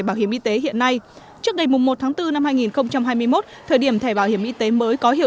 bảo hiểm y tế hiện nay trước ngày một tháng bốn năm hai nghìn hai mươi một thời điểm thẻ bảo hiểm y tế mới có hiệu